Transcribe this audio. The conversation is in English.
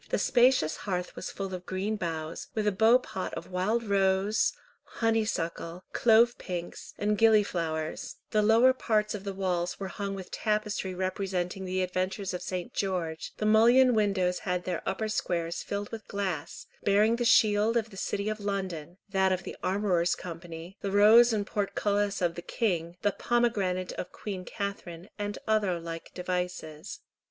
The spacious hearth was full of green boughs, with a beaupot of wild rose, honeysuckle, clove pinks and gilliflowers; the lower parts of the walls were hung with tapestry representing the adventures of St. George; the mullioned windows had their upper squares filled with glass, bearing the shield of the City of London, that of the Armourers' Company, the rose and portcullis of the King, the pomegranate of Queen Catharine, and other like devices.